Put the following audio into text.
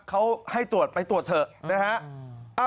เขาให้ตรวจไปตรวจเถอะนะฮะ